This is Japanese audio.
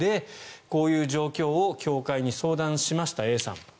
こういう状況を教会に相談しました、Ａさん。